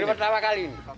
baru pertama kali ini